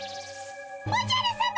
おじゃるさま！